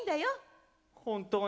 本当に？